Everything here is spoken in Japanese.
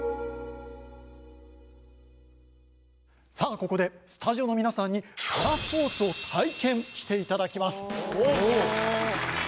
ここでスタジオの皆さんにパラスポーツを体験していただきます。